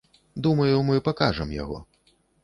Думаю, мы пакажам яго.